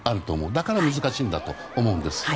だから難しいんだと思うんです。